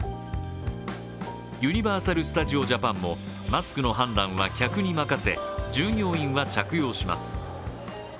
ユニバーサル・スタジオ・ジャパンもマスクの判断は客に任せ、従業員は着用します。